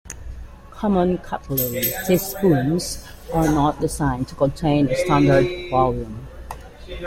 Common cutlery teaspoons are not designed to contain a standard volume.